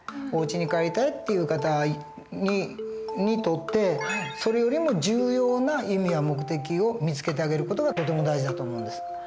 おうちに帰りたいっていう方にとってそれよりも重要な意味や目的を見つけてあげる事がとても大事だと思うんです。